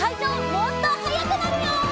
もっと早くなるよ！」